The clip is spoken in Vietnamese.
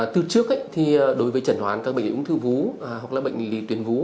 từ trước thì đối với trần đoán các bệnh lý ung tư vú hoặc là bệnh lý tuyên vú